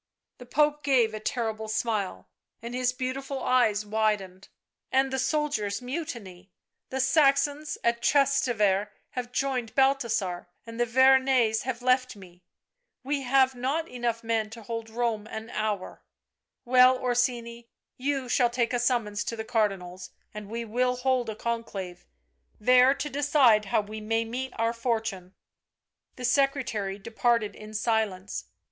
The Pope gave a terrible smile, and his beautiful eyes widened. " And the soldiers mutiny, the Saxons at Trastevere have joined Balthasar and the Veronese have left me — we have not enough men to hold Rome an hour; well, Orsini, you shall take a summons to the Cardinals and we will hold a conclave, there to decide how we may meet our fortune." The secretary departed in silence.